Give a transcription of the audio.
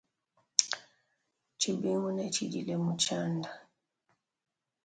Tshibingu ne tshdila mu tshianda.